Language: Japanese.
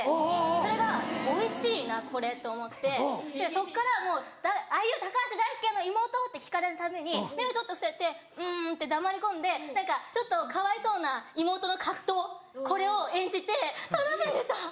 それが「おいしいなこれ」と思ってそこから「アーユータカハシダイスケのイモウト？」って聞かれるたびに目をちょっと伏せてうんって黙り込んで何かちょっとかわいそうな妹の藤。これを演じて楽しんでた！